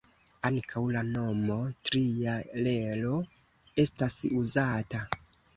Ankaŭ la nomo ""tria relo"" estas uzata.